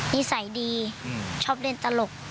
นิสัยดีชอบเล่นตลก